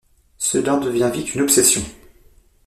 Cela devient vite une obsession.